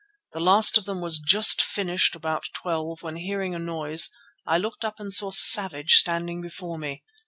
The last of them was just finished about twelve when hearing a noise, I looked up and saw Savage standing before me.